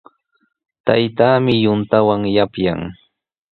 Taytaami yuntawan yapyan.